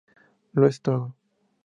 Lo es todo.